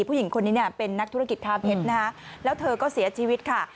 ผู้หญิงคนนี้เป็นนักธุรกิจค้าเผ็ดแล้วเธอก็เสียชีวิตค่ะ